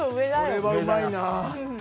これはうまいな。